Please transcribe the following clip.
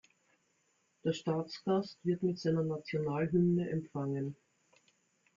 Der Staatsgast wird mit seiner Nationalhymne empfangen.